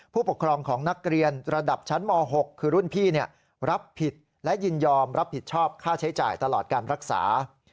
ผู้ปกครองของนักเรียนระดับชั้นม๖คือรุ่นพี่รับผิดและยินยอมรับผิดชอบค่าใช้จ่ายตลอดการรักษา